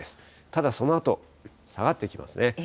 ただそのあと、下がってきますね。